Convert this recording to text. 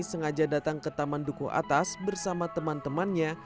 sengaja datang ke taman dukuh atas bersama teman temannya